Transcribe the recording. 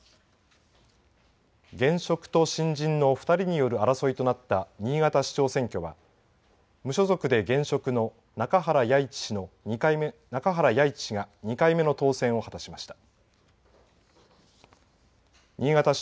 現職と新人の２人による争いとなった新潟市長選挙は無所属で現職の中原八一氏が２回目の当選を果たしました。